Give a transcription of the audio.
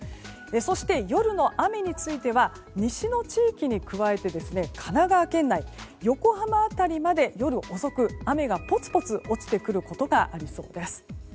そして、夜の雨については西の地域に加えて神奈川県内横浜辺りまで、夜遅く雨がぽつぽつ落ちてくることがありそうです。